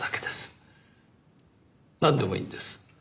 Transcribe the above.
なんでもいいんです。